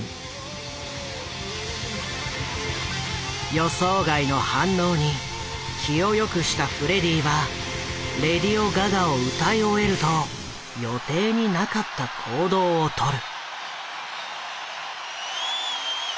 予想外の反応に気をよくしたフレディは「レディオガガ」を歌い終えると予定になかった行動を取る。